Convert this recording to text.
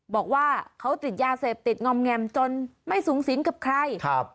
บอกว่าเขาติดยาเสพติดงอมแงมจนไม่สูงสิงกับใคร